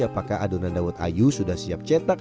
apakah adonan dawet ayu sudah siap cetak